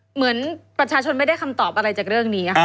เหมือนประชาชนไม่ได้คำตอบอะไรจากเรื่องนี้